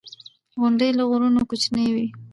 • غونډۍ له غرونو کوچنۍ وي.